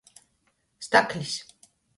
Staklis.